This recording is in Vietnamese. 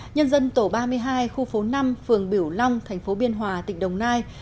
nhân dân tổ ba mươi hai khu phố năm phường biểu long thành phố biên hòa tỉnh đồng nai